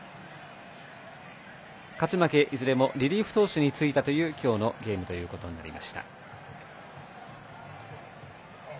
勝ち負け、いずれもリリーフ投手についたという今日のゲームとなりました。